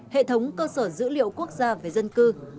hệ thống cơ sở dữ liệu quốc gia về dân cư